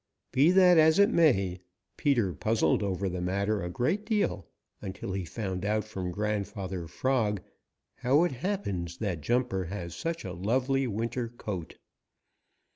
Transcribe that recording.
Be that as it may, Peter puzzled over the matter a great deal until he found out from Grandfather Frog how it happens that Jumper has such a lovely winter coat.